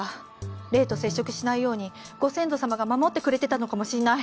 霊と接触しないようにご先祖様が守ってくれてたのかもしんない